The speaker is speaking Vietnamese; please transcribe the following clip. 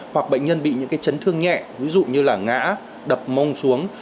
hoặc bệnh nhân bị những chấn thương nhẹ ví dụ như là ngã đập mông xuống